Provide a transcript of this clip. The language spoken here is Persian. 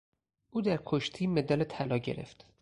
او در کشتیمدال طلا گرفت.